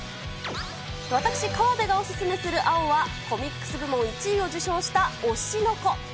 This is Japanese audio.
私、河出がお薦めする青はコミックス部門１位を受賞した推しの子。